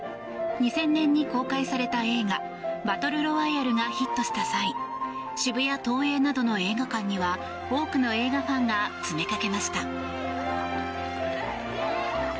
２０００年に公開された映画「バトル・ロワイアル」がヒットした際渋谷ＴＯＥＩなどの映画館には多くの映画ファンが詰めかけました。